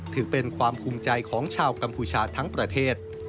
ถือเป็นความภูมิใจของชาวกัมพูชาทั้งประเทศ